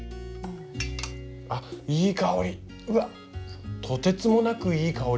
あっいい香り！